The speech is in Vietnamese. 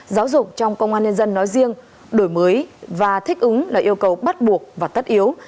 giáo dục trong công an nhân dân nói riêng đổi mới và thích ứng là yêu cầu bắt buộc và tất yếu